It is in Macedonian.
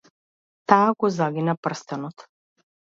Таа го загина прстенот.